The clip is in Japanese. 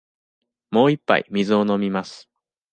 もう一杯水を飲みます。